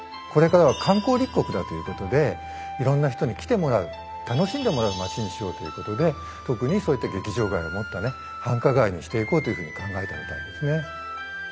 これからは観光立国だということでいろんな人に来てもらう楽しんでもらうまちにしようということで特にそういった劇場街を持ったね繁華街にしていこうというふうに考えたみたいですね。